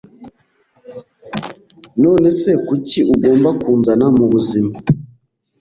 None se kuki ugomba kunzana mubuzima